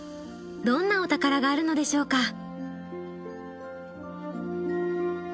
どんなお宝があるのでしょうか？